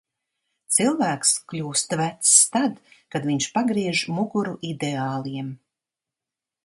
Cilvēks kļūst vecs tad, kad viņš pagriež muguru ideāliem.